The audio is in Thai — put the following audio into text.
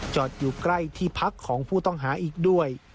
จอดอยู่ใกล้ที่พักของผู้ต้องหาอีกด้วย